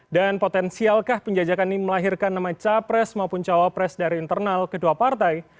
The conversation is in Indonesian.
dan potensialkah penjajakan ini melahirkan nama capres maupun cawapres dari internal kedua partai